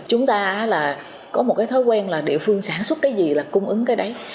chúng ta là có một cái thói quen là địa phương sản xuất cái gì là cung ứng cái đấy